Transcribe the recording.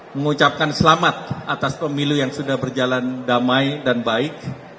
mengucapkan selamat atas pemilu yang sudah berjalan damai dan baik